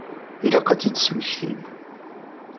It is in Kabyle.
Ilaq ad ten-id-tesmektim.